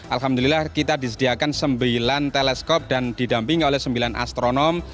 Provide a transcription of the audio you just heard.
alhamdulillah kita disediakan sembilan teleskop dan didampingi oleh sembilan astronom